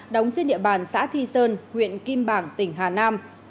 đóng trên địa bàn xã thi sơn huyện kim bảng tỉnh hà nam